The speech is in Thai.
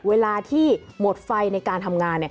เวลาที่หมดไฟในการทำงานเนี่ย